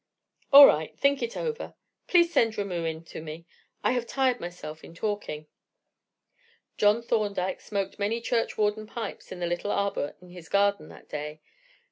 "All right; think it over. Please send Ramoo in to me; I have tired myself in talking." John Thorndyke smoked many churchwarden pipes in the little arbor in his garden that day.